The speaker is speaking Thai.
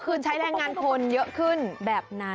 คือใช้แรงงานคนเยอะขึ้นแบบนั้น